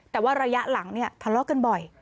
แต่ว่าระยะหลังทะเลาะเกินบ่อย